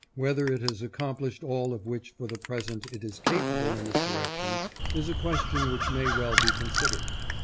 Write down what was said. Whether it has accomplished all of which for the present it is capable in this direction is a question wbich may well be considered.